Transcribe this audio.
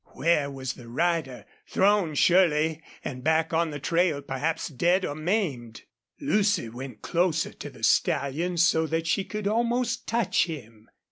Where was the rider? Thrown, surely, and back on the trail, perhaps dead or maimed. Lucy went closer to the stallion so that she could almost touch him.